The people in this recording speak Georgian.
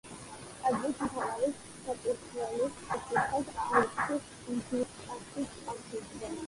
ტაძრის მთავარი საკურთხეველი აკურთხეს ალექსი ღვთისკაცის სახელზე.